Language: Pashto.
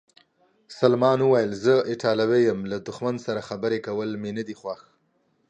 سلمان وویل: زه ایټالوی یم، له دښمن سره خبرې کول مې نه دي خوښ.